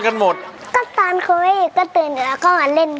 ตอนครูไม่อยู่ก็ตื่นแล้วก็มาเล่น